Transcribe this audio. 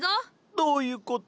どういうこと？